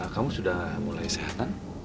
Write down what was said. kamu sudah mulai sehatan